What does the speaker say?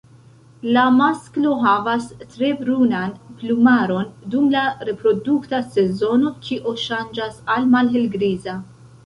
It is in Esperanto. La masklo havas tre brunan plumaron dum la reprodukta sezono, kio ŝanĝas al malhelgriza.